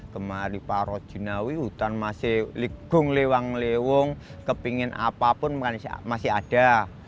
kemari paro jinawi hutan masih ligung lewang lewung kepingin apapun masih ada